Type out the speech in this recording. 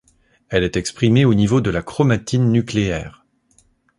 Elle est exprimée au niveau de la chromatine nucléaire.